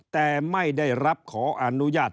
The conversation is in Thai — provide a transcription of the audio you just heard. แต่ไม่ได้รับขออนุญาต